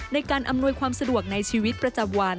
ในการอำนวยความสะดวกในชีวิตประจำวัน